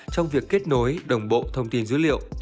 trong việc kết nối đồng bộ thông tin dữ liệu